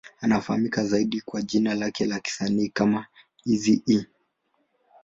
Anafahamika zaidi kwa jina lake la kisanii kama Eazy-E.